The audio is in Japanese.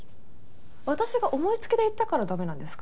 私が思いつきで言ったから駄目なんですか？